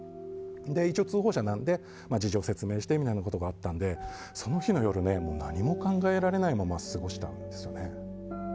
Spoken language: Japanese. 一応通報者なので事情説明してみたいなことがあったのでその日の夜何も考えられないまま過ごしたんですよね。